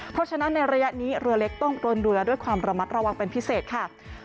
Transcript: เพราะฉะนั้นในระยะนี้เรือเล็กต้องกลนเรือด้วยความระมัดระวังเป็นพิเศษค่ะ